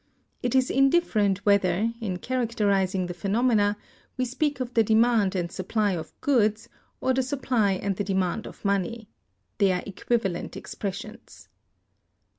It is indifferent whether, in characterizing the phenomena, we speak of the demand and supply of goods, or the supply and the demand of money. They are equivalent expressions.